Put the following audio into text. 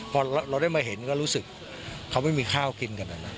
พอเราได้มาเห็นก็รู้สึกเขาไม่มีข้าวกินกันนะ